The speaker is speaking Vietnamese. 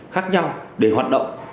khác nhau để hoạt động